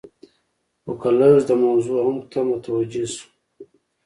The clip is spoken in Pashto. خو که لږ د موضوع عمق ته متوجې شو.